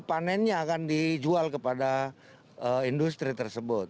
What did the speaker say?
panennya akan dijual kepada industri tersebut